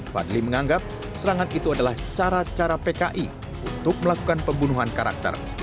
fadli menganggap serangan itu adalah cara cara pki untuk melakukan pembunuhan karakter